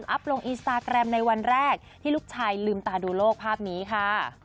ลงอินสตาแกรมในวันแรกที่ลูกชายลืมตาดูโลกภาพนี้ค่ะ